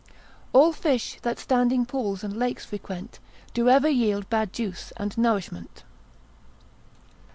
All fish, that standing pools, and lakes frequent, Do ever yield bad juice and nourishment.